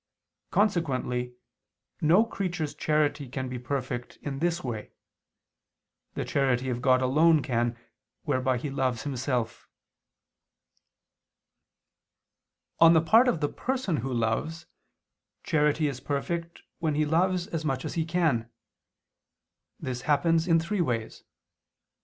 Consequently no creature's charity can be perfect in this way; the charity of God alone can, whereby He loves Himself. On the part of the person who loves, charity is perfect, when he loves as much as he can. This happens in three ways.